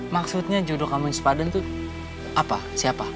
maksudnya jodoh kamu yang sepadan tuh apa siapa